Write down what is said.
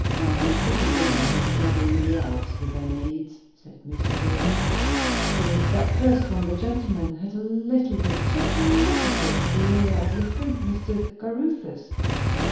"I pity women who travel in the Alps with their maids!" said Mr. Dillwyn. "Philip, that first one, the gentleman, had a little bit just a little bit the air of your friend, Mr. Caruthers.